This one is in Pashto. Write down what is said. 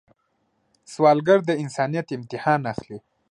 سوالګر د انسانیت امتحان اخلي